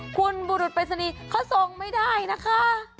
คุณบุรุษไปศรณีเขาส่งไม่ได้นะค่ะ